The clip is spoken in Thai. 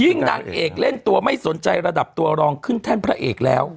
นางเอกเล่นตัวไม่สนใจระดับตัวรองขึ้นแท่นพระเอกแล้ว